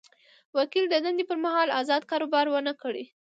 وکیل د دندې پر مهال ازاد کاروبار ونه کړي.